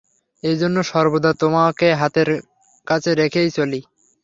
এইজন্যে সর্বদা তোমাকে হাতের কাছে রেখেই চলি।